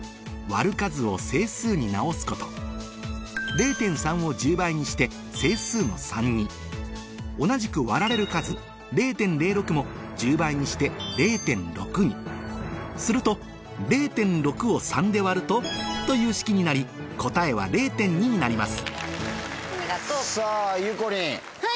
０．３を１０倍にして整数の３に同じく割られる数０．０６も１０倍にして０．６にするとという式になり答えは「０．２」になります